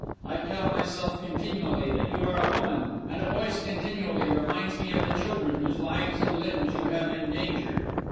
I tell myself continually that you are a woman; and a voice continually reminds me of the children whose lives and limbs you have endangered.